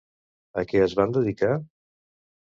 A què es van dedicar?